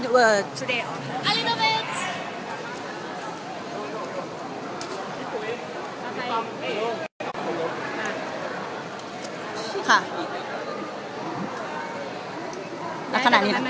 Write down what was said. ทริสตอง